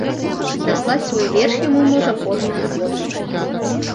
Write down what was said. Даслаць свой верш яму можа кожны ахвотны.